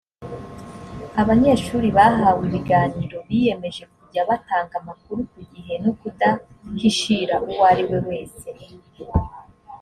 abanyeshuri bahawe ibiganiro biyemeje kujya batanga amakuru ku gihe no kudahishira uwo ariwe wese